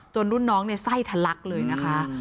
จนรุ่นน้องในใส่ทะลักเลยนะคะ